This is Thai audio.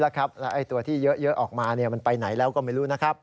แล้วตัวที่เยอะออกมามันไปไหนแล้วก็ไม่รู้นะครับ